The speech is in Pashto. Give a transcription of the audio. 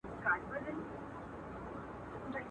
o کونه خداى رانه کړه، په نيره ما سورۍ نه کړه.